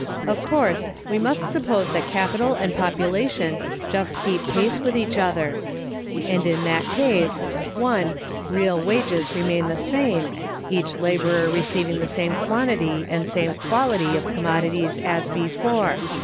Of course, we must suppose that Capital and Population just keep pace with each other; and in that case (1) real wages remain the same, each laborer receiving the same quantity and same quality of commodities as before.